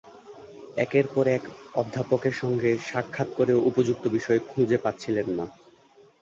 একের পর এক অধ্যাপকের সঙ্গে সাক্ষাৎ করেও উপযুক্ত বিষয় খুঁজে পাচ্ছিলেন না।